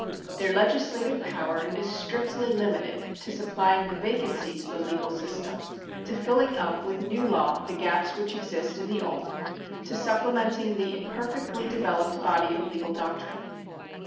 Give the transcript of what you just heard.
Their legislative power is strictly limited to supply ing the vacancies of the legal system, to filling up with new law the gaps which exist in the old, to supplementing the imperfectly developed body of legal doctrine.